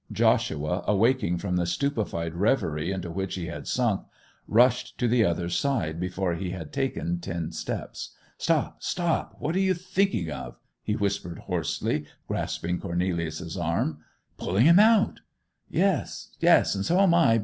Joshua, awaking from the stupefied reverie into which he had sunk, rushed to the other's side before he had taken ten steps. 'Stop, stop, what are you thinking of?' he whispered hoarsely, grasping Cornelius's arm. 'Pulling him out!' 'Yes, yes—so am I.